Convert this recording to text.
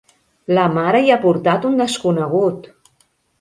La mare hi ha portat un desconegut!